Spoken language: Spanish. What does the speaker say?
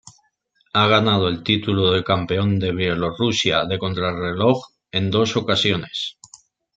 Ha gando el título de Campeón de Bielorrusia de contrarreloj en dos ocasiones.